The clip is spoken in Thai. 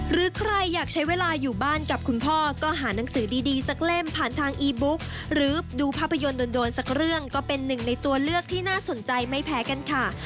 หรือใครอยากใช้เวลาอยู่บ้านกับคุณพ่อก็หานังสือดีสักเล่มผ่านทางอีบุ๊กหรือดูภาพยนตร์โดนสักเรื่องก็เป็นหนึ่งในตัวเลือกที่น่าสนใจไม่แพ้กันค่ะ